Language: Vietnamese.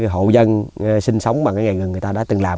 hộ dân sinh sống bằng ngày gần người ta đã từng làm